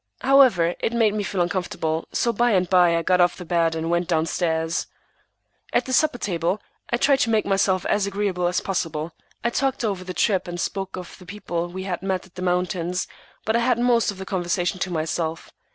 However, it made me feel uncomfortable, so by and by I got off the bed and went down stairs. At the supper table I tried to make myself as agreeable as possible. I talked over the trip, and spoke of the people we had met at the mountains; but I had most of the conversation to myself.